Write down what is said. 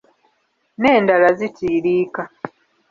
N’endala zitiiriika.